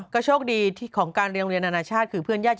ก็โชคดีที่ของการเรียนโรงเรียนอนาชาติ